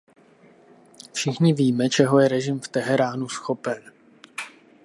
Všichni víme, čeho je režim v Teheránu schopen.